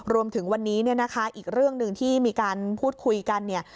รวมถึงวันนี้เนี่ยนะคะอีกเรื่องหนึ่งที่มีการพูดคุยกันเนี่ย